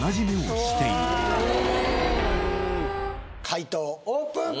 解答オープン！